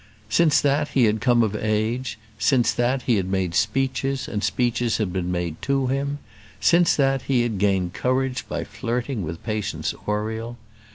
Since that he had come of age; since that he had made speeches, and speeches had been made to him; since that he had gained courage by flirting with Patience Oriel.